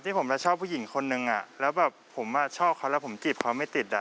ผมจะชอบผู้หญิงคนนึงแล้วแบบผมชอบเขาแล้วผมจีบเขาไม่ติดอ่ะ